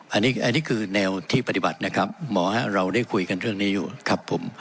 อันนี้คือแนวที่ปฏิบัตินะครับหมอเราได้คุยกันเรื่องนี้อยู่ครับผม